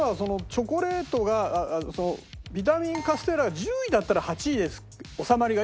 チョコレートがビタミンカステーラが１０位だったら８位で収まりがいいのよ